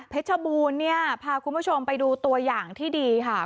บูรณ์เนี่ยพาคุณผู้ชมไปดูตัวอย่างที่ดีค่ะ